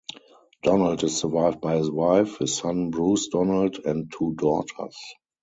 Donald is survived by his wife, his son Bruce Donald and two daughters.